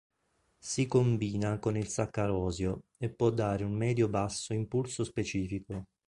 Si combina con il saccarosio e può dare un medio-basso impulso specifico.